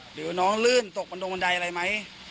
หรือน้องลื่นตกบันตรงบันไดอะไรไหม